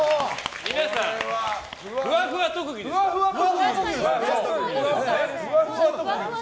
皆さん、ふわふわ特技ですから。